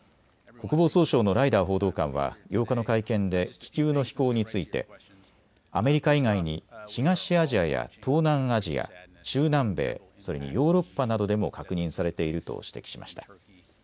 国防総省のライダー報道官は８日の会見で気球の飛行についてアメリカ以外に東アジアや東南アジア、中南米、それにヨーロッパなどでも確認されていると指摘しました。